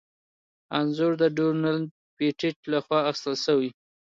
انځور د ډونلډ پېټټ لخوا اخیستل شوی.